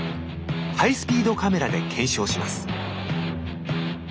ハイスピードカメラで検証します